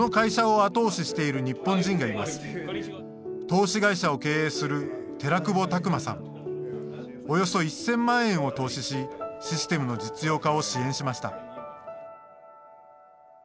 投資会社を経営するおよそ１０００万円を投資しシステムの実用化を支援しました。